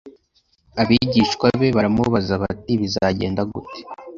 Abigishwa be baramubaza bati bizagenda gute